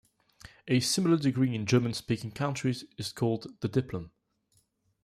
A similar degree in German-speaking countries is called the "Diplom".